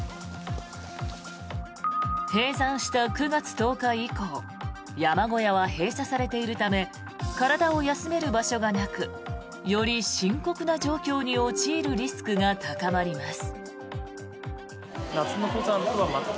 閉山した９月１０日以降山小屋は閉鎖されているため体を休める場所がなくより深刻な状況に陥るリスクが高まります。